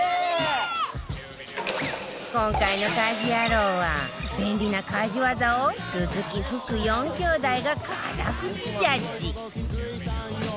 今回の『家事ヤロウ！！！』は便利な家事ワザを鈴木福４兄妹が辛口ジャッジ